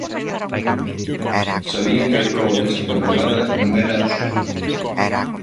Sabían que a proba desta madrugada non era a súa.